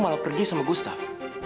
malah pergi sama gustaf